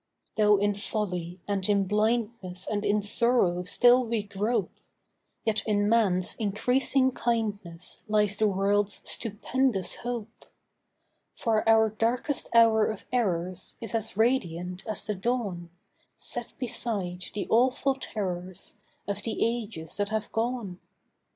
Though in folly and in blindness And in sorrow still we grope, Yet in man's increasing kindness Lies the world's stupendous hope; For our darkest hour of errors Is as radiant as the dawn, Set beside the awful terrors Of the ages that have gone.